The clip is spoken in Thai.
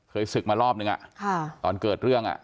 เคยศึกมารอบนึงอะตอนเกิดเรื่องอะ